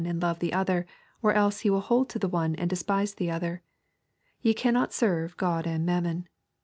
and love the other : or else he will hold to the one, and despise the other. Ye cannot serve God and mammon.